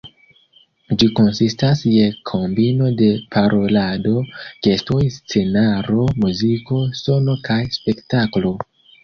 Ĝi konsistas je kombino de parolado, gestoj, scenaro, muziko, sono kaj spektaklo.